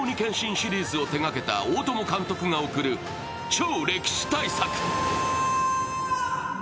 シリーズを手がけた大友監督が贈る超歴史大作！